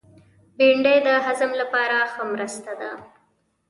بېنډۍ د هضم لپاره ښه مرسته ده